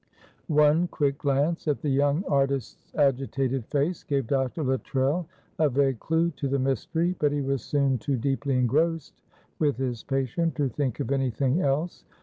One quick glance at the young artist's agitated face gave Dr. Luttrell a vague clue to the mystery, but he was soon too deeply engrossed with his patient to think of anything else.